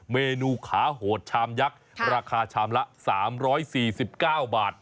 เมนูขาโหดชามยักษ์ราคาชามละ๓๔๙บาท